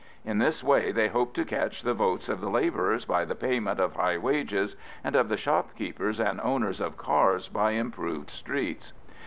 In this way they hoped to catch the votes of the labourers by the payment of high wages, and of the shopkeepers and owners of cars by improved streets.